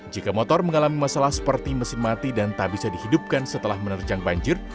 jika motor mengalami masalah seperti mesin mati dan tak bisa dihidupkan setelah menerjang banjir